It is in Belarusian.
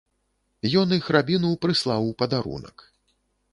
Ён іх рабіну прыслаў у падарунак.